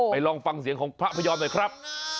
ลองฟังเสียงของพระพยอมหน่อยครับ